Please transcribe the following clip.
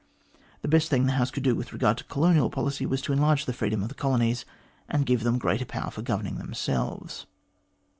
The best thing the House could do with regard to colonial policy was to enlarge the freedom of the colonies, and give them greater power for governing themselves.